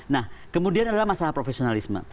nah kemudian adalah masalah profesionalisme